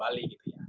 pasti ingin kembali